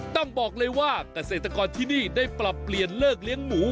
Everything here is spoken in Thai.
ต้องบอกเลยว่าเกษตรกรที่นี่ได้ปรับเปลี่ยนเลิกเลี้ยงหมู